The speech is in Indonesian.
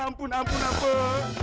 ya ampun ampun ampun